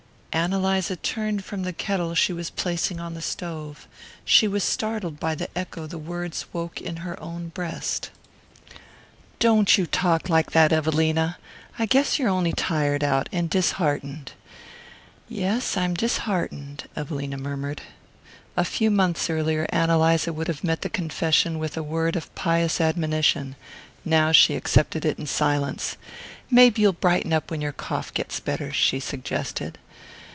Ann Eliza turned from the kettle she was placing on the stove. She was startled by the echo the words woke in her own breast. "Don't you talk like that, Evelina! I guess you're on'y tired out and disheartened." "Yes, I'm disheartened," Evelina murmured. A few months earlier Ann Eliza would have met the confession with a word of pious admonition; now she accepted it in silence. "Maybe you'll brighten up when your cough gets better," she suggested.